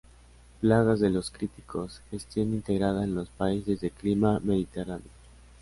Plagas de los Cítricos, Gestión Integrada en los países de clima mediterráneo.